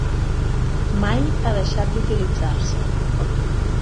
Mai ha deixat d'utilitzar-se.